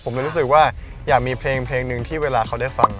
ผมเลยรู้สึกว่าอยากมีเพลงหนึ่งที่เวลาเขาได้ฟัง